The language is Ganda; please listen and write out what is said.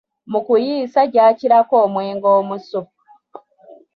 Mu kusiiya gyakirako omwenge omusu.